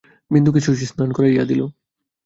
বিন্দুকে শশী স্নান করাইয়া দিল।